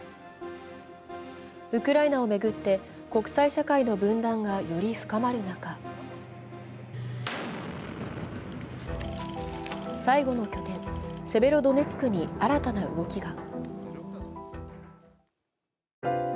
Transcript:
ウクライナを巡って国際社会の分断がより深まる中、最後の拠点、セベロドネツクに新たな動きが。